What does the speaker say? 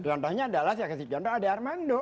contohnya adalah saya kasih contoh ade armando